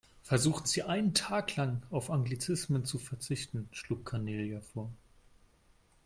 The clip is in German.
Versuchen Sie, einen Tag lang auf Anglizismen zu verzichten, schlug Cornelia vor.